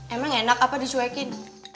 emang enak apa dicuekin